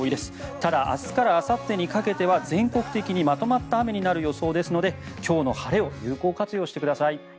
ただ明日からあさってにかけては全国的にまとまった雨になる予想ですので今日の晴れを有効活用してください。